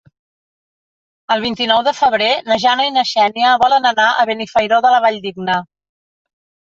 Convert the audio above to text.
El vint-i-nou de febrer na Jana i na Xènia volen anar a Benifairó de la Valldigna.